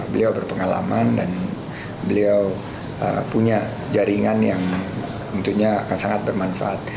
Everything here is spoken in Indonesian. beliau berpengalaman dan beliau punya jaringan yang tentunya akan sangat bermanfaat